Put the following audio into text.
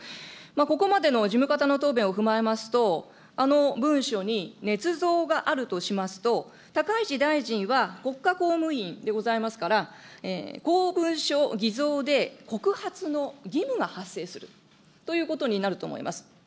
ここまでの事務方の答弁を踏まえますと、あの文書にねつ造があるとしますと、高市大臣は国家公務員でございますから、公文書偽造で告発の義務が発生するということになると思います。